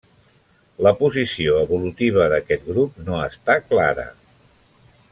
La posició evolutiva d'aquest grup no està clara.